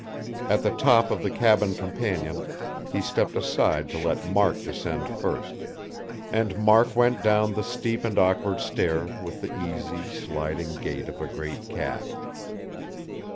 At the top of the cabin companion, he stepped aside to let Mark descend first; and Mark went down the steep and awkward stair with the easy, sliding gait of a great cat.